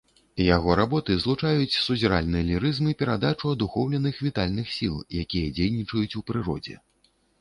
Яго работы злучаюць сузіральны лірызм і перадачу адухоўленых вітальных сіл, якія дзейнічаюць у прыродзе.